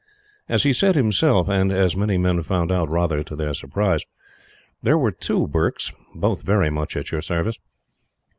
As he said himself, and as many men found out rather to their surprise, there were two Burkes, both very much at your service.